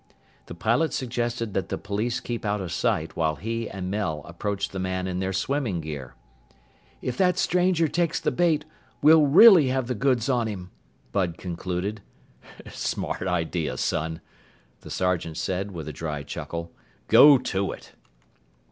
The pilot suggested that the police keep out of sight while he and Mel approached the man in their swimming gear. "If that stranger takes the bait, we'll really have the goods on him!" Bud concluded. "Smart idea, son," the sergeant said with a dry chuckle. "Go to it!"